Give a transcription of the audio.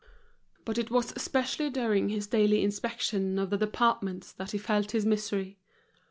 But it was especially during his daily inspection of the departments that he felt his misery.